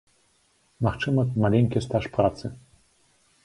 Магчыма, маленькі стаж працы.